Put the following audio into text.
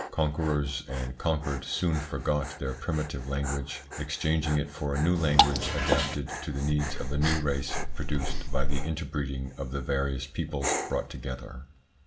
Conquerors and conquered soon forgot their primitive language, exchanging it for a new language adapted to the needs of the new race produced by the interbreeding of the various peoples brought together.